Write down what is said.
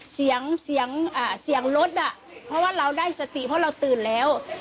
เสียงเสียงรถอ่ะเพราะว่าเราได้สติเพราะเราตื่นแล้ว